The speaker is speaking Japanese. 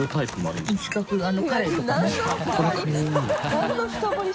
何の深掘り？